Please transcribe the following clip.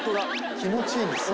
気持ちいいんですよ。